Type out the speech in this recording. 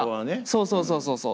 そうそうそうそうそう。